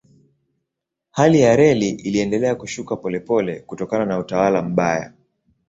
Hali ya reli iliendelea kushuka polepole kutokana na utawala mbaya.